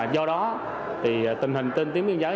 do đó tình hình tên tuyến biên giới